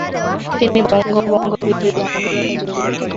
তিনি বঙ্গভঙ্গ-বিরোধী আন্দোলনে জড়িয়ে পড়েন।